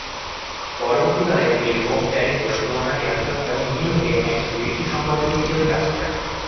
পরবর্তীকালে তিনি Rome, Paris, Barcelona, Kansas এবং নিউ ইয়র্কে একজন বিদেশী সংবাদদাতা হিসেবে কাজ করেন।